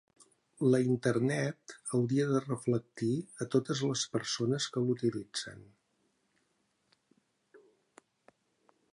La Internet hauria de reflectir a totes les persones que l'utilitzen.